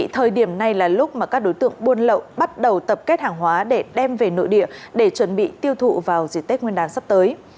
thời điểm này là lúc mà các đối tượng buôn lậu bắt đầu tập kết hàng hóa để đem về nội địa để chuẩn bị tiêu thụ vào dịp tết nguyên đán sắp tới